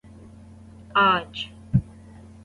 آج